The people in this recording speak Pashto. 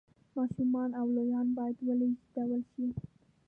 ماشومان او لویان باید ولېږدول شي